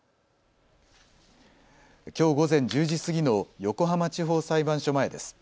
きょう午前１０時過ぎの横浜地方裁判所前です。